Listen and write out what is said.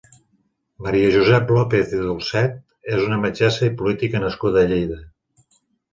Maria Josep López i Dolcet és una metgessa i política nascuda a Lleida.